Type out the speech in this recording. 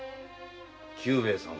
久兵衛さんは。